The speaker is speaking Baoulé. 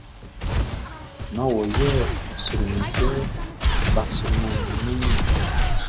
Nán wɔ yɛ a sro mi kɛ bʼa sɔman mi nunʼn niɔn.